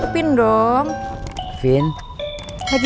gak mak uses seorang pri guessing